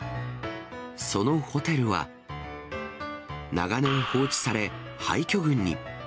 そのホテルは、長年、放置され、廃虚群に。